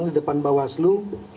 di depan bawaslu